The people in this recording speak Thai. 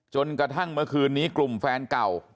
จนกระทั่งเมื่อคืนนี้กลุ่มแฟนเก่า